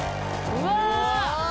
うわ